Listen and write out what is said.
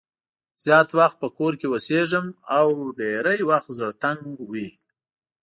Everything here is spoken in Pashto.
زیات وخت په کور کې اوسېږم او ډېری وخت زړه تنګ وي.